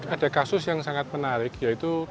ada kasus yang sangat menarik yaitu